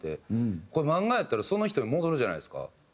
これ漫画やったらその人に戻るじゃないですか。